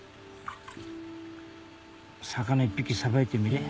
魚１匹さばいてみれ。